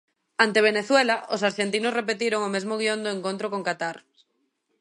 Ante Venezuela, os arxentinos repetiron o mesmo guión do encontro con Qatar.